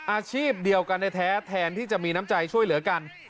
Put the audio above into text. อาชีพเดียวกันแท้แทนที่จะมีน้ำใจช่วยเหลือกัน